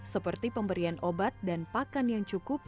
seperti pemberian obat dan pakan yang cukup